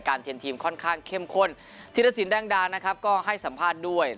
เทียนทีมค่อนข้างเข้มข้นธีรสินแดงดานะครับก็ให้สัมภาษณ์ด้วย